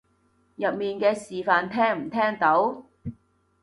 入面嘅示範聽唔聽到？